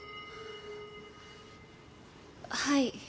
はい。